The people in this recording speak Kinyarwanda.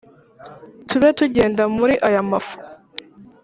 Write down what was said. tube tugenda muri aya mafu?